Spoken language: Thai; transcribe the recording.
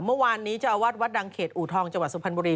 เมื่อวานนี้เจ้าอาวาสวัดดังเขตอูทองจังหวัดสุพรรณบุรี